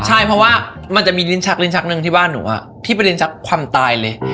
ใช่เพราะว่ามันจะมีลิ้นชักลิ้นชักหนึ่งที่บ้านหนูพี่ไปริ้นชักความตายเลย